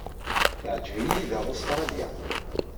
Teɛjeb-iyi daɣ Ustṛalya.